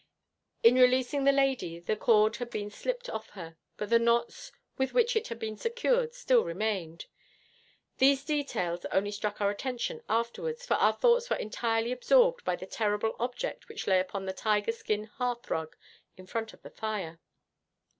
In releasing the lady, the cord had been slipped off her, but the knots with which it had been secured still remained. These details only struck our attention afterwards, for our thoughts were entirely absorbed by the terrible object which lay upon the tiger skin heathrug in front of the fire.